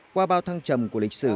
qua bao thăng trầm của lịch sử